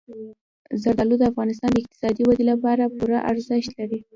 زردالو د افغانستان د اقتصادي ودې لپاره پوره ارزښت لري.